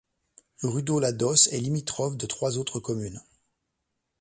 Rudeau-Ladosse est limitrophe de trois autres communes.